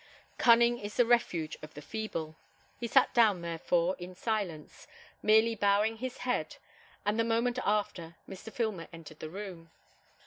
Cunning is the refuge of the feeble. He sat down, therefore, in silence, merely bowing his head; and the moment after Mr. Filmer entered the room.